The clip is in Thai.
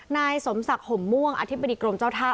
นายสมศักดิ์ห่มม่วงอธิบดีกรมเจ้าท่า